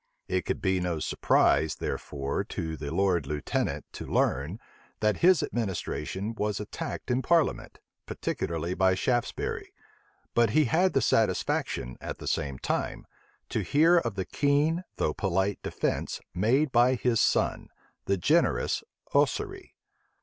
It could be no surprise, therefore, to the lord lieutenant to learn, that his administration was attacked in parliament, particularly by Shaftesbury; but he had the satisfaction, at the same time, to hear of the keen though polite defence made by his son, the generous Ossory.